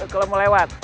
kalau mau lewat